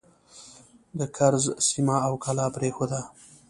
د کرز سیمه او کلا پرېښوده.